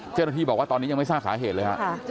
เจ้าหน้าที่บอกว่าตอนนี้ยังไม่ทราบสาเหตุเลยฮะ